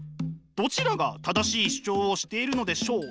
どちらが正しい主張をしているのでしょう？